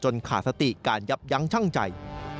ขาดสติการยับยั้งชั่งใจ